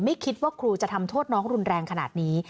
ไม่คิดว่าครูจะทำโทษน้องรุนแรงขนาดนี้